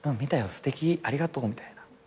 すてき。ありがとう」みたいな。